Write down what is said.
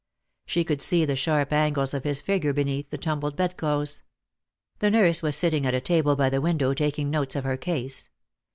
She could see the sharp angles of his figure beneath the tumbled bedclothes. The nurse was sitting at a table by the window taking notes of her case.